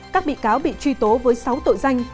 các bị cáo bị truy tố với sáu tội danh